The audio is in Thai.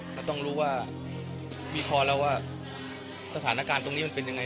เราต้องรู้ว่าวิเคราะห์แล้วว่าสถานการณ์ตรงนี้มันเป็นยังไง